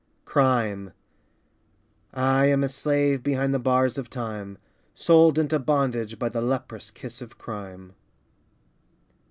Crime I am a slave Behind the bars of time, Sold into bondage By the leprous kiss of crime.